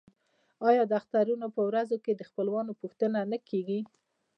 آیا د اخترونو په ورځو کې د خپلوانو پوښتنه نه کیږي؟